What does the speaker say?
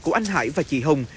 của anh hải và chị hồng